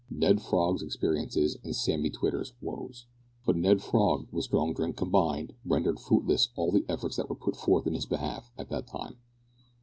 NED FROG'S EXPERIENCES AND SAMMY TWITTER'S WOES. But Ned Frog, with strong drink combined, rendered fruitless all the efforts that were put forth in his behalf at that time.